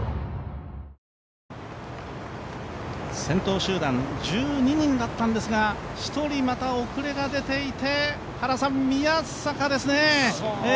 先頭集団、１２人だったんですが１人また遅れが出ていて宮坂ですね。